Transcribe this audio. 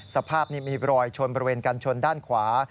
สภาพนี้มีรอยชนบริเวณกันชนด้านขวา